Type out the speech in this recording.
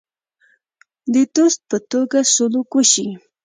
د دوست په توګه سلوک وشي.